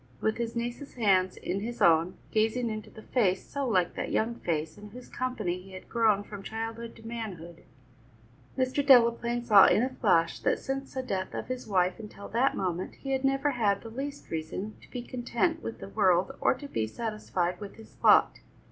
With his niece's hands in his own, gazing into the face so like that young face in whose company he had grown from childhood to manhood, Mr. Delaplaine saw in a flash, that since the death of his wife until that moment he had never had the least reason to be content with the world or to be satisfied with his lot.